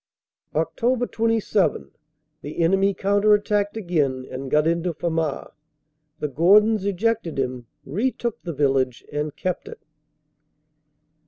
"Oct. 27 The enemy counter attacked again and got into Famars. The Gordons ejected him, retook the village, and kept it.